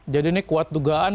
jadi ini kuat dugaan